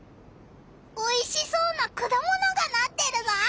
おいしそうなくだものがなってるぞ！